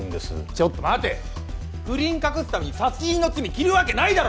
ちょっと待て不倫隠すために殺人の罪着るわけないだろ